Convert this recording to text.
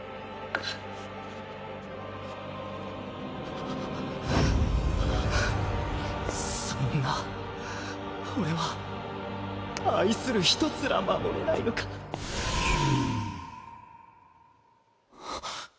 くっそんな俺は愛する人すら守れないのかはっ。